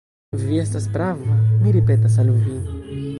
Vi estas prava, mi ripetas al vi.